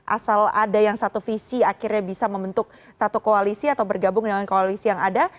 asal ada yang satu visi akhirnya bisa membentuk satu koalisi atau bergabung dengan koalisi yang ada